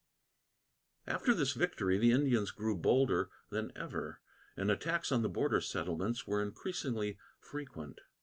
After this victory, the Indians grew bolder than ever, and attacks on the border settlements were increasingly frequent.